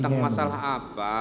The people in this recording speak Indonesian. iya tentang masalah apa